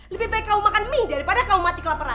lebih baik kamu makan mie daripada kamu mati kelaparan